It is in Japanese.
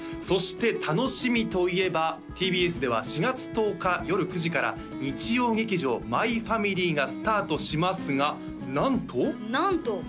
そして楽しみといえばＴＢＳでは４月１０日夜９時から日曜劇場「マイファミリー」がスタートしますがなんとなんと？